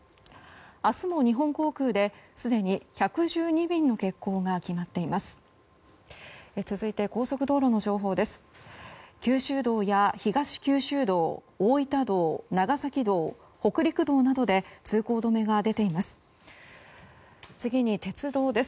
明日も日本航空ですでに１２１便の欠航が決まっています。